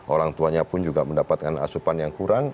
orang tuanya pun juga mendapatkan asupan yang kurang